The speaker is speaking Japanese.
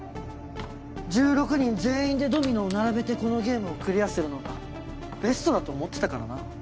１６人全員でドミノを並べてこのゲームをクリアするのがベストだと思ってたからな。